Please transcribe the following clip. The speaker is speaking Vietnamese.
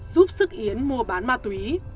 giúp sức yến mua bán ma túy